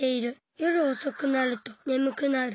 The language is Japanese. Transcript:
夜おそくなるとねむくなる。